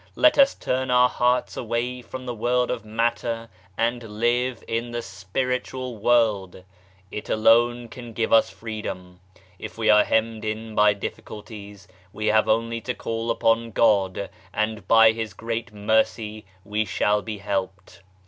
Let us turn our hearts away from the world of matter and live in the Spiritual World ! It alone can give us freedom !j If we are hemmed in by difficulties we have only to call upon God, and by His great Mercy we shall be helped.